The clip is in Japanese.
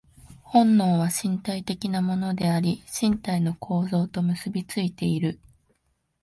本能は身体的なものであり、身体の構造と結び付いている。